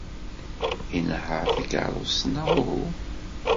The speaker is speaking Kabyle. Inehheṛ takeṛṛust neɣ uhu?